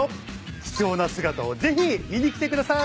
貴重な姿をぜひ見に来てください。